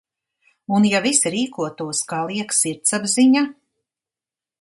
Un ja visi rīkotos, kā liek sirdsapziņa?